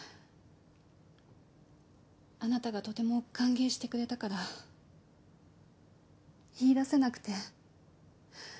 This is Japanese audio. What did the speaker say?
あなたがとても歓迎してくれたから言いだせなくて。